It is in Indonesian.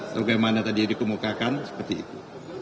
lalu bagaimana tadi dikemukakan seperti itu